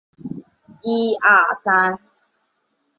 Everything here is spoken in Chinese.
后升任江西副使。